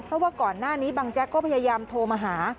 เพราะว่าก่อนหน้านี้บังแจ๊กก็พยายามโทรมาหา